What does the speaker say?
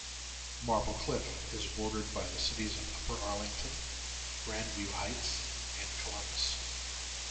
Marble Cliff is bordered by the cities of Upper Arlington, Grandview Heights, and Columbus.